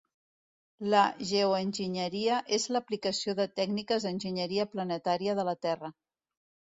La geoenginyeria és l'aplicació de tècniques d'enginyeria planetària de la Terra.